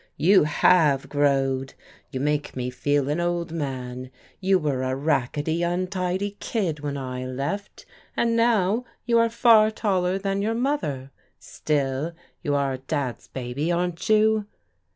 '* You have ' growed.' You make me feel an old man. You were a racketty, untidy kid when I left and now you are far taller than your mother. Still you are Dad's baby, aren't you?"